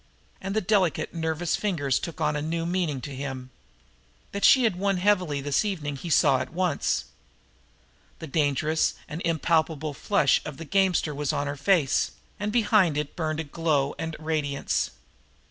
And the delicate, nervous fingers now took on a new meaning to him. That she had won heavily this evening he saw at once. The dangerous and impalpable flush of the gamester was on her face, and behind it burned a glow and radiance.